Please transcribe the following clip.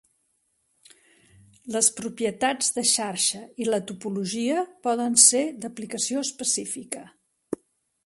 Les propietats de xarxa i la topologia poden ser d'aplicació específica.